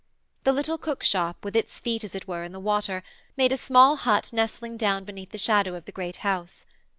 The little cookshop, with its feet, as it were, in the water, made a small hut nestling down beneath the shadow of the great house.